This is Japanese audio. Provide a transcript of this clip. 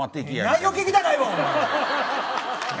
内容聞きたくないわ、おまえ。